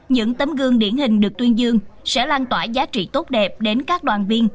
những tấm gương điển hình được tuyên dương sẽ lan tỏa giá trị tốt đẹp đến các đoàn viên